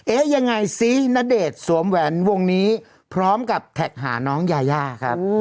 ยังไงซิณเดชน์สวมแหวนวงนี้พร้อมกับแท็กหาน้องยายาครับ